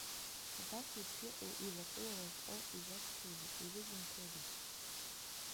Абасеиԥш иҟоу илаҟәу аразҟы, изашьҭоузеи, ирызымҭода?